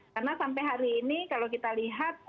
karena sampai hari ini kalau kita lihat